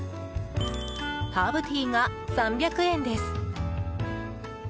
ハーブティーが３００円です。